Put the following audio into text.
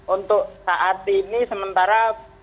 untuk saat ini sementara